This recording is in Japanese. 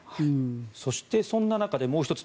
そしてそんな中でもう１つ